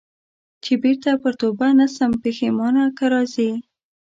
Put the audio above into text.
چي بیرته پر توبه نه سم پښېمانه که راځې